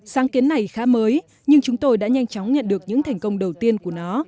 sáng kiến này khá mới nhưng chúng tôi đã nhanh chóng nhận được những thành công đầu tiên của nó